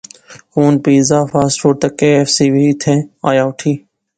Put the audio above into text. ہن پیزا، فاسٹ فوڈ تے کے ایف سی وی ایتھیں آیا اوٹھی